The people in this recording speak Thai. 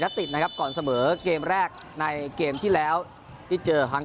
และติดนะครับก่อนเสมอเกมแรกในเกมที่แล้วที่เจอทั้ง